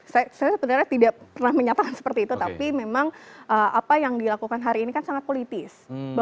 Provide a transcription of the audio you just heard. saya sebenarnya tidak pernah menyatakan seperti itu tapi memang apa yang dilakukan hari ini kan sangat politis